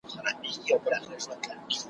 هم ډنګر وو هم له رنګه لکه سکور وو`